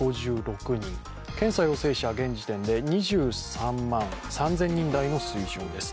検査陽性者現時点で２３万３０００人台の水準です。